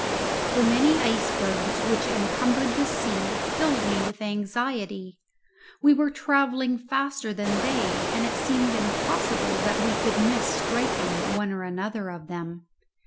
The many icebergs which encumbered the sea filled me with anxiety. We were travelling faster than they, and it seemed impossible that we could miss striking one or another of them.